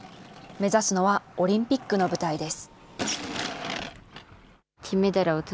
目指すのはオリンピックの舞台です。